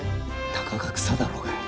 たかが草だろうが。